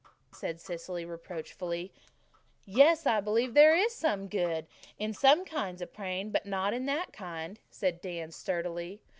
said Cecily reproachfully. "Yes, I believe there's some good in some kinds of praying, but not in that kind," said Dan sturdily.